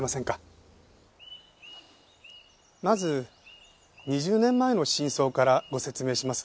まず２０年前の真相からご説明します。